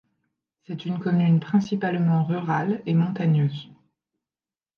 C'est une commune principalement rurale et montagneuse.